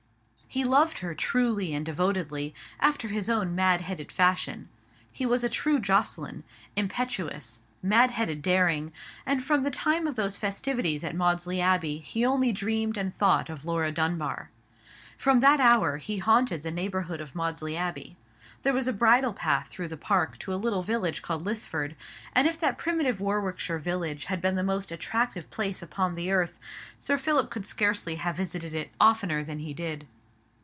He loved her truly and devotedly, after his own mad headed fashion. He was a true Jocelyn—impetuous, mad headed daring; and from the time of those festivities at Maudesley Abbey he only dreamed and thought of Laura Dunbar. From that hour he haunted the neighbourhood of Maudesley Abbey. There was a bridle path through the park to a little village called Lisford; and if that primitive Warwickshire village had been the most attractive place upon this earth, Sir Philip could scarcely have visited it oftener than he did.